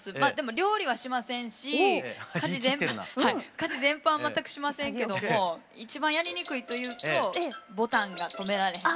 家事全般全くしませんけども一番やりにくいというとボタンが留められへん。